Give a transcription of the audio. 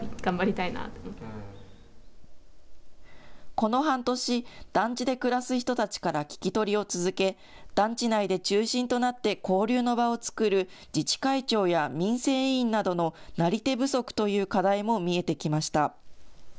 この半年、団地で暮らす人たちから聞き取りを続け団地内で中心となって交流の場を作る自治会長や民生委員などのなり手不足という課題も見えてきました。